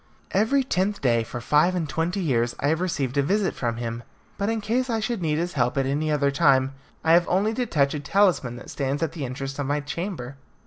Every tenth day, for five and twenty years, I have received a visit from him, but in case I should need his help at any other time, I have only to touch a talisman that stands at the entrance of my chamber.